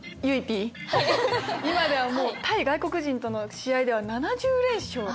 今では対外国人との試合では７０連勝。